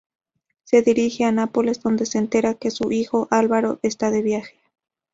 Se dirige a Nápoles, donde se entera que su hijo Álvaro está de viaje.